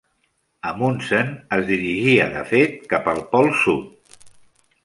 Amundsen es dirigia, de fet, cap al Pol Sud.